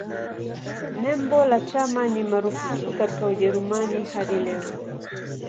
Nembo la chama ni marufuku katika Ujerumani hadi leo.